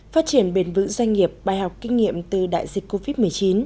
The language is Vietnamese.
phát triển bền vững doanh nghiệp bài học kinh nghiệm từ đại dịch covid một mươi chín